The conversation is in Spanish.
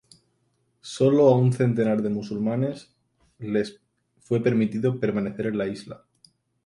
Sólo a un centenar de musulmanes les fue permitido permanecer en la isla.